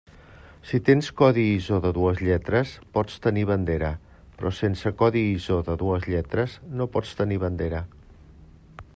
Si tens codi ISO de dues lletres, pots tenir bandera, però sense codi ISO de dues lletres no pots tenir bandera.